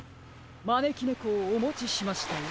まねきねこをおもちしましたよ。